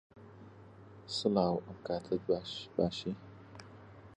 بە بزمارێک لە ژووری ماڵە خۆی دابوو